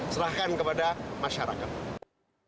serahkan kepada masyarakat